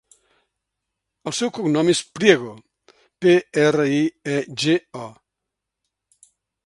El seu cognom és Priego: pe, erra, i, e, ge, o.